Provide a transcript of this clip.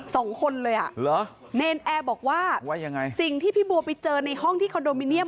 สองคนเลยเนนแอร์บอกว่าสิ่งที่พี่บัวไปเจอในห้องที่คอนโดมิเนียม